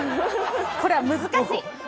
これは難しい。